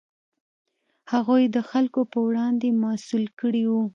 هغوی یې د خلکو په وړاندې مسوول کړي وو.